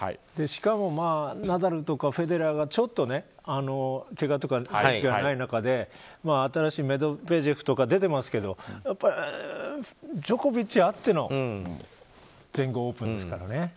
しかもナダルとかフェデラーがちょっと、けがとか動きがない中で新しいメドベージェフとか出ていますけどジョコビッチあっての全豪オープンですからね。